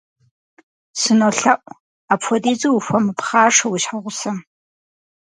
СынолъэӀу, апхуэдизу ухуэмыпхъашэ уи щхьэгъусэм.